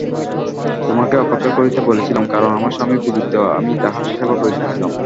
তোমাকে অপেক্ষা করিতে বলিয়াছিলাম, কারণ আমার স্বামী পীড়িত, আমি তাঁহার সেবা করিতেছিলাম।